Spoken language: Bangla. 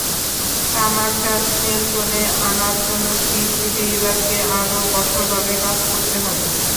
তামাক চাষ নিয়ন্ত্রণে আনার জন্য কৃষি বিভাগকে আরও কঠোরভাবে কাজ করতে হবে।